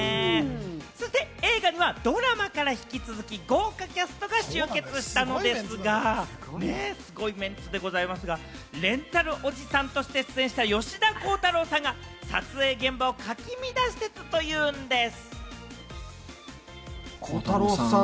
そして映画にはドラマから引き続き豪華キャストが集結したのですが、すごいメンツでございますが、レンタルおじさんとして出演した吉田鋼太郎さんが撮影現場をかき乱していたというんでぃす。